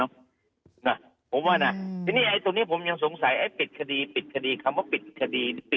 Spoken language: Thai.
ผมมีโตรนี้ตอนนี้สงสัยไอนี่ปิดคดีปิดคดี